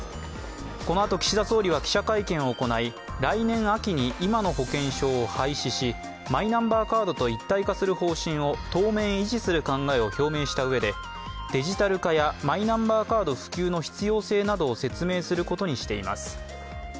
このあと岸田総理は記者会見を行い来年秋に今の保険証を廃止しマイナンバーカードと一体化する方針を、当面、維持する考えを表明したうえでデジタル化やマイナンバーカード普及の必要性などを説明することにしています。